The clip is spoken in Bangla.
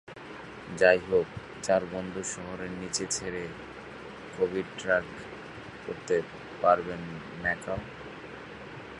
যাইহোক, চার বন্ধু শহরের নিচে ছেড়ে কবির ট্র্যাক করতে পারবেন ম্যাকাও।